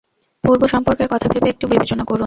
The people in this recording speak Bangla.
পূর্ব সম্পর্কের কথা ভেবে একটু বিবেচনা করুন।